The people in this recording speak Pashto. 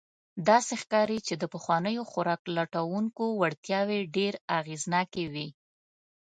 داسې ښکاري، چې د پخوانیو خوراک لټونکو وړتیاوې ډېر اغېزناکې وې.